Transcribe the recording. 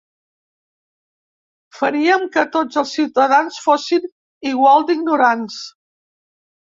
Faríem que tots els ciutadans fossin igual d'ignorants.